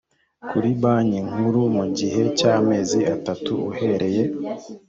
kuri banki nkuru mu gihe cy amezi atatu uhereye